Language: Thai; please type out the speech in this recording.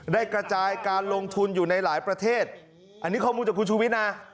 กระจายการลงทุนอยู่ในหลายประเทศอันนี้ข้อมูลจากคุณชูวิทย์นะ